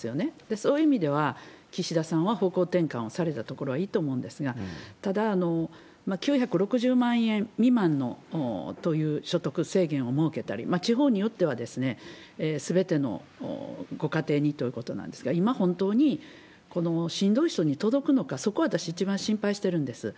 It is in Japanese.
そういう意味では、岸田さんは方向転換をされたところはいいと思うんですが、ただ、９６０万円未満という所得制限を設けたり、地方によってはすべてのご家庭にということなんですが、今、本当にこのしんどい人に届くのか、そこを私、一番心配してるんです。